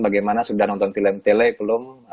bagaimana sudah nonton film film